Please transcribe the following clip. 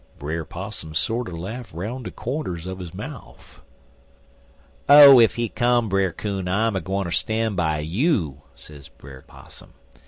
Brer Possum sorter laugh 'round de cornders un his mouf. "'Oh, ef he come, Brer Coon, I'm gwineter stan' by you,' sez Brer Possum.